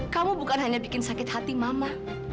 kamu bukan hanya bikin sakit hati mama